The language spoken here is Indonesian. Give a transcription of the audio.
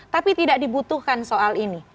tapi tidak dibutuhkan soal ini